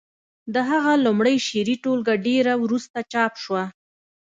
د هغه لومړۍ شعري ټولګه ډېره وروسته چاپ شوه